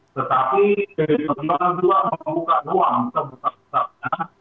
tetapi dari penjualan tua membuka ruang seputar seputarnya